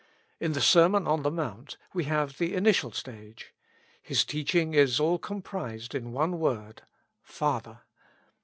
In the Sermon on the Mount we have the initial stage : His teaching is all comprised in one word, Father.